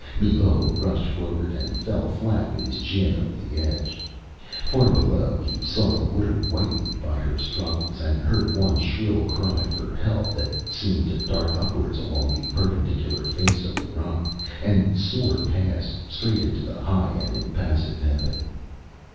Millot rushed forward, and fell flat with his chin over the edge. Far below he saw the water whitened by her struggles, and heard one shrill cry for help that seemed to dart upwards along the perpendicular face of the rock, and soar past, straight into the high and impassive heaven.